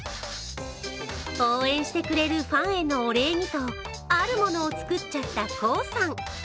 応援してくれるファンへのお礼にとあるものを作っちゃったコウさん。